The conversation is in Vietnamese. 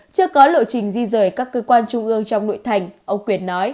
chưa có lộ trình di rời các cơ quan trung ương trong nội thành ông quyền nói